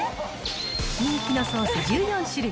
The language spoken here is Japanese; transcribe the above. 人気のソース１４種類。